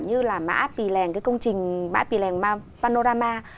như là mã pì lèng cái công trình bãi pì lèng panorama